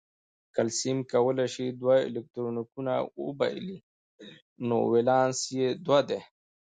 کلسیم کولای شي دوه الکترونونه وبایلي نو ولانس یې دوه دی.